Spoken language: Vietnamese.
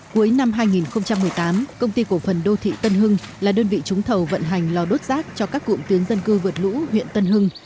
cuối năm hai nghìn một mươi tám công ty cổ phần đô thị tân hưng là đơn vị trúng thầu vận hành lò đốt rác cho các cụm tuyến dân cư vượt lũ huyện tân hưng